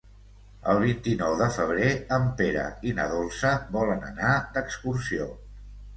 El vint-i-nou de febrer en Pere i na Dolça volen anar d'excursió.